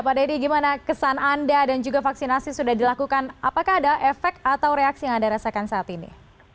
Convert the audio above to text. pak deddy gimana kesan anda dan juga vaksinasi sudah dilakukan apakah ada efek atau reaksi yang anda rasakan saat ini